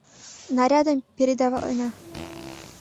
Нарядым передаватлена.